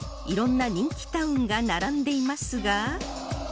色んな人気タウンが並んでいますが